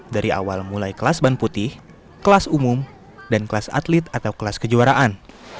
dari awal mulai kelas ban putih kelas umum dan kelas atlet atau kelas kejuaraan